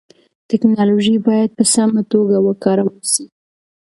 ټیکنالوژي باید په سمه توګه وکارول سي.